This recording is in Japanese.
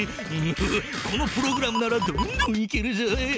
このプログラムならどんどん行けるぞ。